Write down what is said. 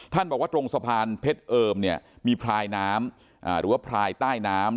บอกว่าตรงสะพานเพชรเอิมเนี่ยมีพลายน้ำหรือว่าพลายใต้น้ำ